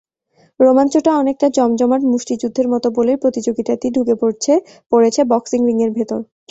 রোমাঞ্চটা অনেকটা জমজমাট মুষ্টিযুদ্ধের মতো বলেই প্রতিযোগিতাটি ঢুকে পড়েছে বক্সিং রিংয়ের ভেতর।